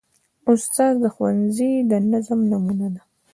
استاد د ښوونځي د نظم نمونه ده.